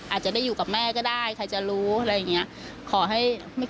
อาจจะได้อยู่กับแม่ก็ได้ใครจะรู้อะไรอย่างนี้